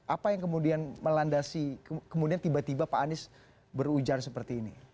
apa yang kemudian melandasi kemudian tiba tiba pak anies berujar seperti ini